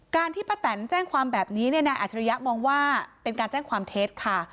ที่ป้าแตนแจ้งความแบบนี้เนี่ยนายอัจฉริยะมองว่าเป็นการแจ้งความเท็จค่ะ